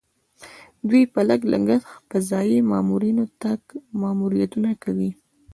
دوی په لږ لګښت فضايي ماموریتونه کوي.